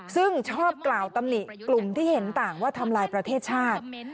ซึ่งชอบกล่าวตำหนิกลุ่มที่เห็นต่างว่าทำลายประเทศชาติ